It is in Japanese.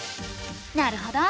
なるほど。